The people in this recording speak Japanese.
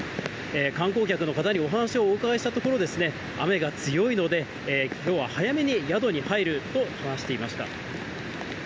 観光客の方にお話をお伺いしたところ、雨が強いので、きょうは早めに宿に入ると話していました。